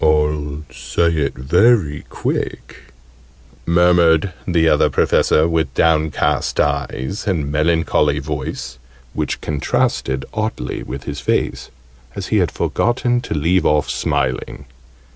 "I'll say it very quick," murmured the Other Professor, with downcast eyes, and melancholy voice, which contrasted oddly with his face, as he had forgotten to leave off smiling.